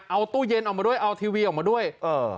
เอาตู้เย็นออกมาด้วยเอาทีวีออกมาด้วยเออ